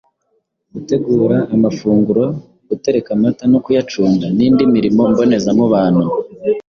gutegura amafunguro, gutereka amata no kuyacunda n’indi mirimo mbonezamubano.